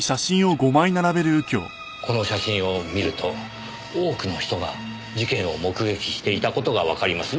この写真を見ると多くの人が事件を目撃していた事がわかります。